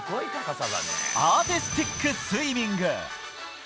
アーティスティックスイミング。